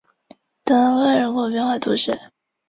新翼的管理及营运是由万达镇有限公司负责。